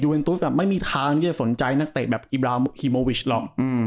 เอ็นตุ๊สไม่มีทางที่จะสนใจนักเตะแบบอีบราฮีโมวิชหรอก